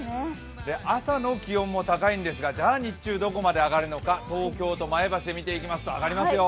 朝の気温も高いんですが、じゃあ、日中どこまで上がるのか、東京と前橋で見ていきますと、上がりますよ。